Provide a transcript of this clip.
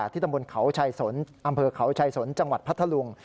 ตำบลเขาชายสนอำเภอเขาชายสนจังหวัดพัทธลุง